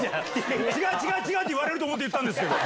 違う違う！って言われると思って言ったんですけど。